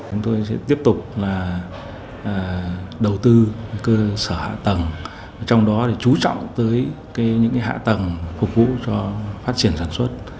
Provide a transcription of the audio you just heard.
chúng tôi sẽ tiếp tục đầu tư cơ sở hạ tầng trong đó chú trọng tới những hạ tầng phục vụ cho phát triển sản xuất